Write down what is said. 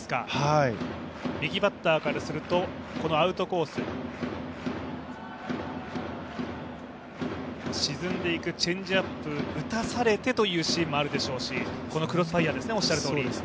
右バッターからするとアウトコース、沈んでいくチェンジアップ打たされてというシーンもあるでしょうし、このクロスファイヤーですね、おっしゃるとおり。